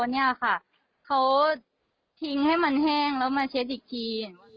เขาทิ้งให้มันแห้งแล้วมาเส้นอีกที